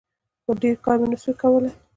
خو ډېر کار مې نسو کولاى.